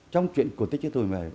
trong chuyện cổ tích với tôi